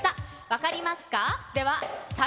分かりますか？